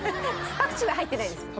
パクチーは入ってないです。